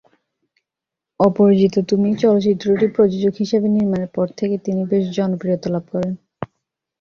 অপরাজিতা তুমি চলচ্চিত্রটি প্রযোজক হিসাবে নির্মাণের পর থেকেই তিনি বেশি জনপ্রিয়তা লাভ করেন।